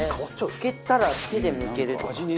漬けたら手でむけるとか？